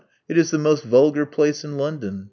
It is the most vulgar place in London.